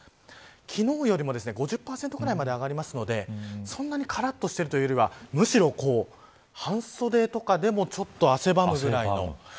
昨日よりも５０％ぐらいまで上がるのでそんなにからっとしているよりはむしろ半袖とかでも汗ばむぐらいの。